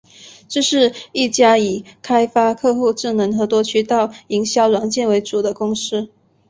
这是一家以开发客户智能和多渠道营销软件为主的公司。